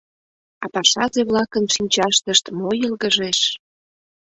А пашазе-влакын шинчаштышт мо йылгыжеш!